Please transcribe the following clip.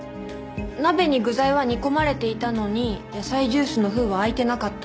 鍋に具材は煮込まれていたのに野菜ジュースの封は開いてなかった。